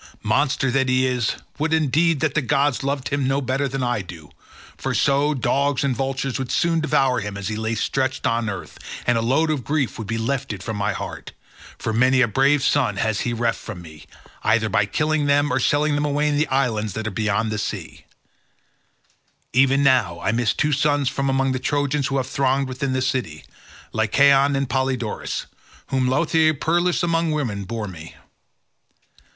Monster that he is; would indeed that the gods loved him no better than I do, for so, dogs and vultures would soon devour him as he lay stretched on earth, and a load of grief would be lifted from my heart, for many a brave son has he reft from me, either by killing them or selling them away in the islands that are beyond the sea: even now I miss two sons from among the Trojans who have thronged within the city, Lycaon and Polydorus, whom Laothoe peeress among women bore me.